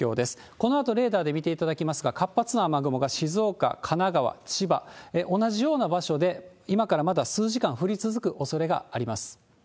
このあとレーダーで見ていただきますが、活発な雨雲が静岡、神奈川、千葉、同じような場所で、今からまだ数時間降り続くおそれがあります。